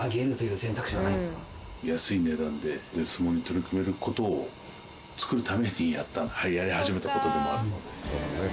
安い値段で相撲に取り組める事を作るためにやり始めた事でもあるので。